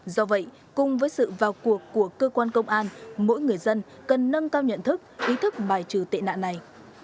do vậy cùng với sự vào cuộc của cơ quan công an mỗi người dân cần nâng cao nhận thức ý thức bài trừ tệ nạn này